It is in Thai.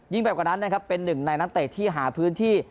ยิ่งแบบกว่านั้นนะครับเป็นหนึ่งในนั้นแต่ที่หาพื้นที่